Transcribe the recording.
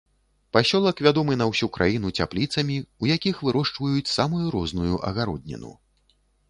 Пасёлак вядомы на ўсю краіну цяпліцамі, у якіх вырошчваюць самую розную агародніну.